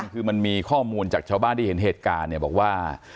คือมันมีข้อมูลจากชาวบ้านที่เห็นเหตุการณ์เนี่ยบอกว่า